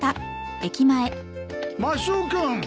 ・マスオ君。